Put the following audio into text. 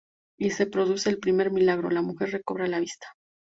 Y se produce el primer milagro: la mujer recobra la vista.